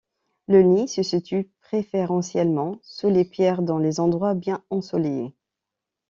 Le nid se situe préférentiellement sous les pierres dans les endroits bien ensoleillés.